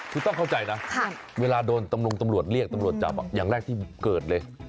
คือต้องเข้าใจนะเวลาโดนตำรวจเรียกตำรวจจับอย่างแรกที่เกิดเลย